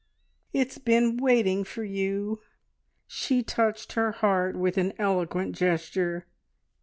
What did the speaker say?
It's been waiting for you " she touched her heart with an eloquent gesture "here!"